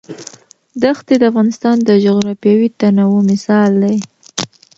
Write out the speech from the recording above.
دښتې د افغانستان د جغرافیوي تنوع مثال دی.